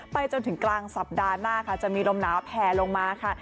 ไปจนถึงกลางสัปดาห์หน้าค่ะจะมีลมหนาวแผ่ลงมาค่ะ